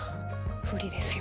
不利ですよね。